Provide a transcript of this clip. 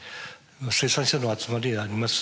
生産者の集まりがあります